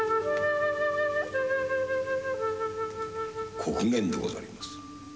刻限でござります。